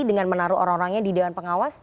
dengan menaruh orang orangnya di dewan pengawas